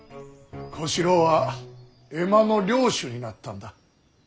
小四郎は江間の領主になったんだ。